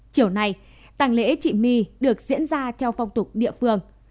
chiều nay tàng lễ chị my được diễn ra theo phong tục địa phương